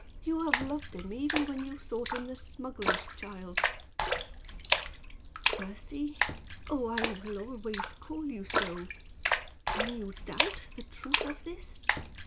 You have loved him, even when you thought him the smuggler's child." "Percy! Oh, I will always call you so! Can you doubt the truth of this?"